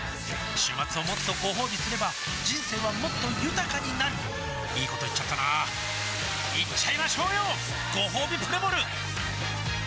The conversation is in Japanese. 週末をもっとごほうびすれば人生はもっと豊かになるいいこと言っちゃったなーいっちゃいましょうよごほうびプレモル